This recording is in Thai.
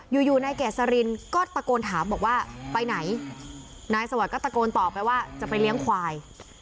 อยู่อยู่นายเกษรินก็ตะโกนถามบอกว่าไปไหนนายสวัสดิก็ตะโกนต่อไปว่าจะไปเลี้ยงควาย